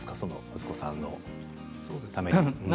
息子さんのために。